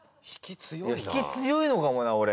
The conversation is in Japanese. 引き強いのかもな俺。